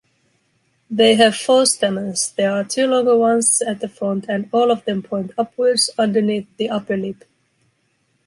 They have four stamens, there are two longer ones at the front and all of them point upwards, underneath the upper lip.